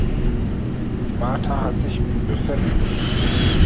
Martha hat sich übel verletzt.